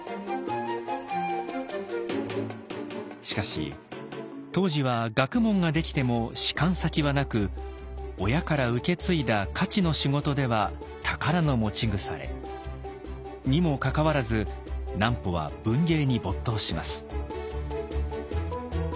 しかし当時は学問ができても仕官先はなく親から受け継いだ徒の仕事では宝の持ち腐れ。にもかかわらず南畝は文芸に没頭します。